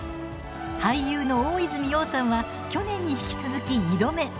俳優の大泉洋さんは去年に引き続き２度目。